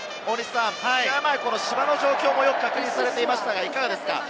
芝の状況もよく確認していましたが、いかがですか？